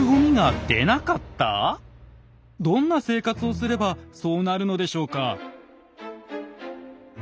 どんな生活をすればそうなるのでしょうか。